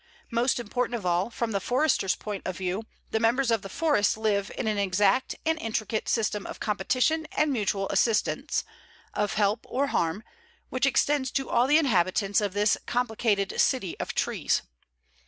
Most important of all, from the Forester's point of view, the members of the forest live in an exact and intricate system of competition and mutual assistance, of help or harm, which extends to all the inhabitants of this complicated city of trees.